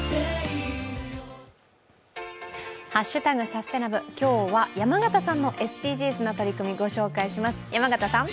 「＃サステナ部」、今日は山形さんのＳＤＧｓな取り組み、ご紹介します。